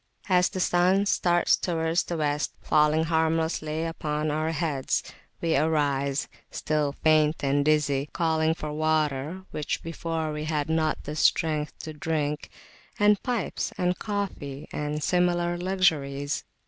As the sun starts towards the West, falling harmlessly upon our heads, we arise, still faint and dizzy, calling for water which before we had not the strength [p.211] to drink and pipes, and coffee, and similar luxuries.